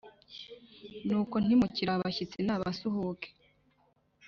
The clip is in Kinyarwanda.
Nuko ntimukiri abashyitsi n’abasuhuke